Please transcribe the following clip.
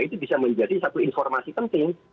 itu bisa menjadi satu informasi penting